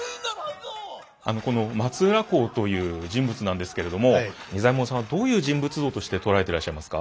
この松浦侯という人物なんですけれども仁左衛門さんはどういう人物像として捉えてらっしゃいますか？